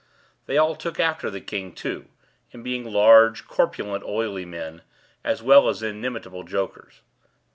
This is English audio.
They all took after the king, too, in being large, corpulent, oily men, as well as inimitable jokers.